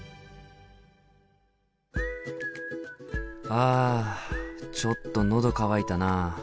あちょっと喉渇いたな。